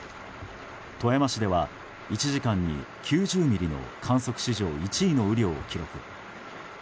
富山市では、１時間に９０ミリの観測史上１位の雨量を記録。